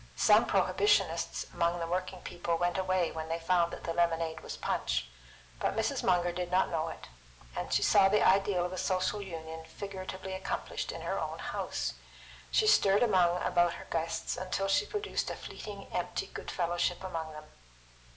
Some prohibitionists among the working people went away when they found that the lemonade was punch; but Mrs. Munger did not know it, and she saw the ideal of a Social Union figuratively accomplished in her own house. She stirred about among her guests till she produced a fleeting, empty good fellowship among them.